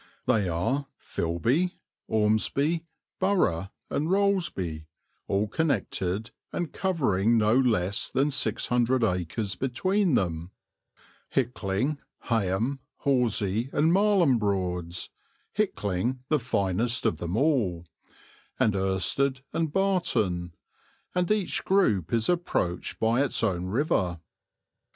They are Filby, Ormsby, Burgh, and Rollesby, all connected and covering no less than six hundred acres between them; Hickling, Heigham, Horsey, and Marlham Broads, Hickling the finest of them all; and Irstead and Barton; and each group is approached by its own river.